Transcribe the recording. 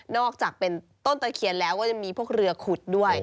อกจากเป็นต้นตะเคียนแล้วก็ยังมีพวกเรือขุดด้วย